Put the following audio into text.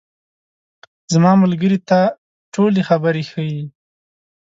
زما ملګري ته ټولې خبرې ښیې.